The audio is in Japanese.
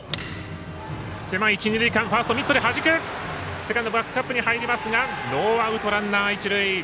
セカンドバックアップに入りますがノーアウト、ランナー、一塁。